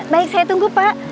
baik saya tunggu pak